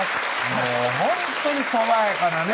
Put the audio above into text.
もうほんとに爽やかなね